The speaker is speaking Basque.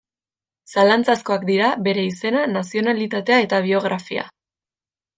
Zalantzazkoak dira bere izena, nazionalitatea eta biografia.